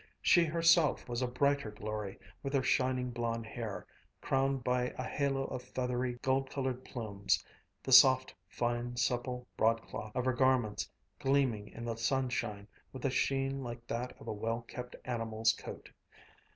She herself was a brighter glory, with her shining blond hair crowned by a halo of feathery, gold colored plumes, the soft, fine, supple broadcloth of her garments gleaming in the sunshine with a sheen like that of a well kept animal's coat.